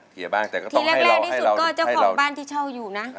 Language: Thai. ทีแรกที่สุดก็เจ้าของบ้านที่เช่าอยู่นะ